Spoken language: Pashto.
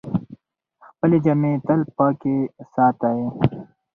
خپلې جامې تل پاکې ساتئ.